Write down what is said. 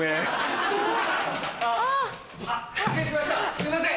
すいません！